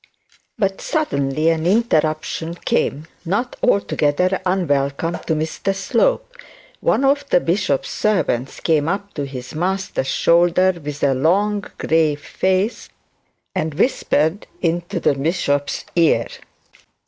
But suddenly and interruption came, not altogether unwelcome to Mr Slope. One of the bishop's servants came up to his master's shoulder with a long, grave face, and whispered into the bishop's ear.